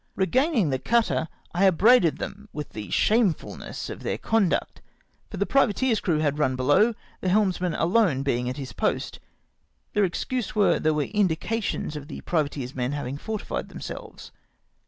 Regaining the cutter, I up braided them with the shamefulness of their conduct, for 92 EECOMMENDED FOR PROMOTION. the privateer's crew had run below, the hehnsman alone being at his post. Their excuse was that there were indications of the privateer's men having there fortified themselves.